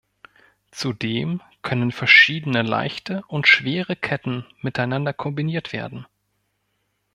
Zudem können verschiedene leichte und schwere Ketten miteinander kombiniert werden.